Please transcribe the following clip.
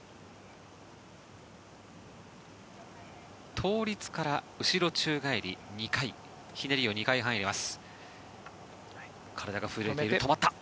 倒立から後ろ宙返り２回ひねりが２回半入ります。